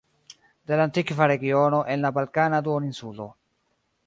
De la antikva regiono en la Balkana Duoninsulo.